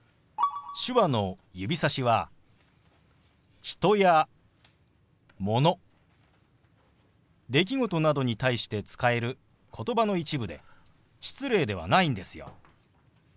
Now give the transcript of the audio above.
手話の指さしは人やもの出来事などに対して使える言葉の一部で失礼ではないんですよ。